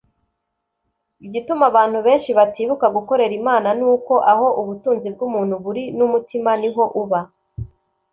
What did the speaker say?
Igituma abantu benshi batibuka gukorera Imana ni uko aho ubutunzi bw’umuntu buri n’umutima ni ho uba